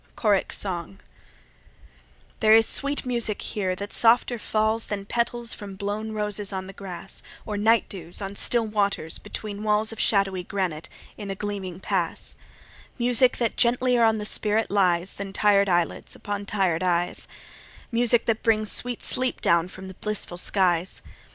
Choric Song 1 There is sweet music here that softer falls Than petals from blown roses on the grass, Or night dews on still waters between walls Of shadowy granite, in a gleaming pass; Music that gentlier on the spirit lies, Than tir'd eyelids upon tir'd eyes; Music that brings sweet sleep down from the blissful skies.